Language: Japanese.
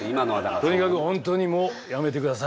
とにかく本当にもうやめてください。